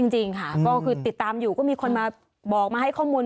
จริงค่ะก็คือติดตามอยู่ก็มีคนมาบอกมาให้ข้อมูล